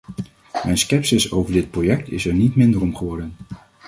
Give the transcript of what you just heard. Mijn scepsis over dit project is er niet minder om geworden.